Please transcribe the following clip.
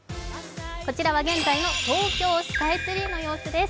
こちらは現在の東京スカイツリーの様子です。